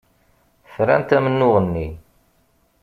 Frant amennuɣ-nni.